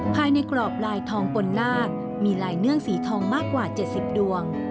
กรอบลายทองปนลากมีลายเนื่องสีทองมากกว่า๗๐ดวง